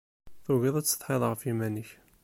Tugiḍ ad tsetḥiḍ ɣef yiman-ik.